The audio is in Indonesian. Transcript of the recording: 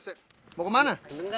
weh mau kemana